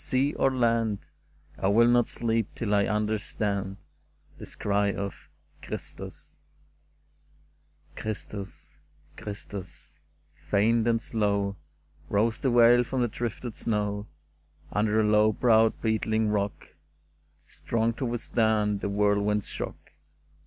sea or land, I will not sleep till I understand This cry of ' Christus !'"" Christus ! Christus !" Faint and slow Rose the wail from the drifted snow Under a low browed, beetling rock, Strong to withstand the whirlwind's shock.